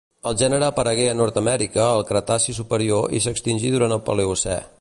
El gènere aparegué a Nord-amèrica al Cretaci superior i s'extingí durant el Paleocè.